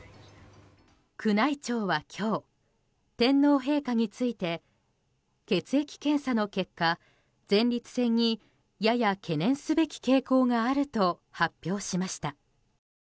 宮内庁は今日天皇陛下について血液検査の結果前立腺にやや懸念すべき傾向があると発表しました。